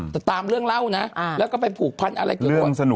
แต่ตามเรื่องเล่านะแล้วก็ไปผูกพันธุ์อะไรก็